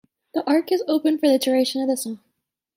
The ark is opened for the duration of the song.